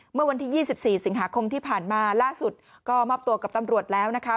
เมื่อวันที่๒๔สิงหาคมที่ผ่านมาล่าสุดก็มอบตัวกับตำรวจแล้วนะคะ